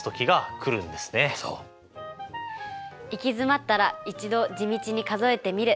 行き詰まったら一度地道に数えてみる。